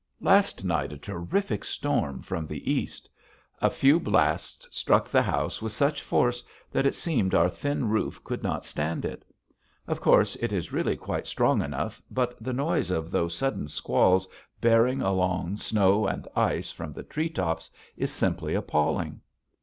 Last night a terrific storm from the east. A few blasts struck the house with such force that it seemed our thin roof could not stand it. Of course it is really quite strong enough but the noise of those sudden squalls bearing along snow and ice from the tree tops is simply appalling.